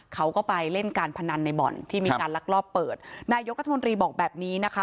เขาก็ไปเล่นการพนันในบ่อนที่มีการลักลอบเปิดนายกรัฐมนตรีบอกแบบนี้นะคะ